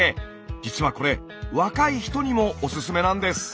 実はこれ若い人にもおすすめなんです。